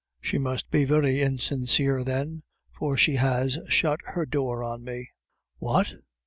"She must be very insincere, then, for she has shut her door on me." "What?"